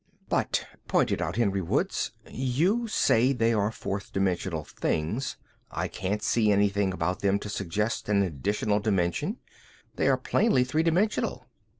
"But," pointed out Henry Woods, "you say they are fourth dimensional things. I can't see anything about them to suggest an additional dimension. They are plainly three dimensional."